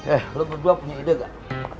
eh lo berdua punya ide gak